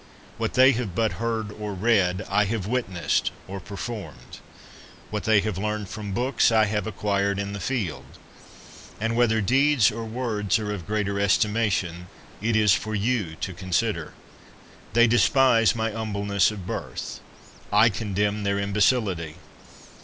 What they have but heard or read, I have witnessed or performed. What they have learned from books, I have acquired in the field ; and whether deeds or words are of greater estimation, it is for you to consider. They despise my humble ness of birth; I contemn their imbecility.